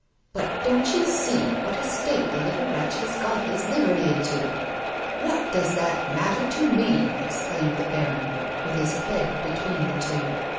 " But don't you see what a state the little wretch has got his livery iiato 1 "" What does that matter to me ?" exclaimed the baron, with his head between the two.